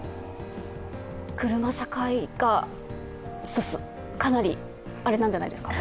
車社会がかなりあれなんじゃないですか？